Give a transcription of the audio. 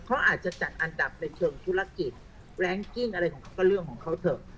เขาอาจจะจัดอันดับในเชิงธุรกิจแรงกิ้งอะไรของเขาก็เรื่องของเขาเถอะ